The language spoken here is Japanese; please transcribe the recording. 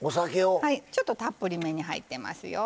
ちょっと、たっぷりめに入ってますよ。